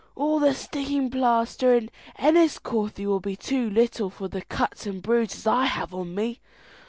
All the sticking plaster in Enniscorthy will be too little for the cuts and bruises I have on me.